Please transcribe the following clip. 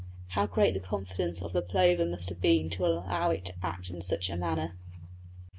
How great the confidence of the plover must have been to allow it to act in such a manner!